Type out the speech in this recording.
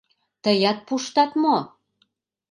Тыят пуштат мо?